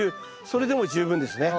それでも十分ですね。